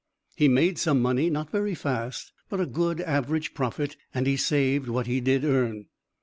He made some money not very fast but a good average profit, and he saved what he did earn.